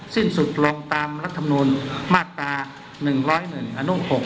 สิ้นสุดลงตามรัฐมนุนมาตรา๑๐๑อนุ๖